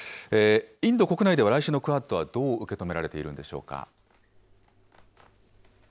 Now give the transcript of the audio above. インド国内では来週のクアッドはどう受け止められているんでしょうか。